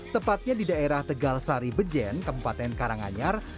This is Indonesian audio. tepatnya di daerah tegal sari bejen kabupaten karanganyar